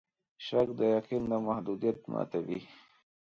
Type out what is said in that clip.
شک د یقین د محدودیت ماتوي.